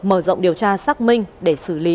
mở rộng điều tra xác minh để xử lý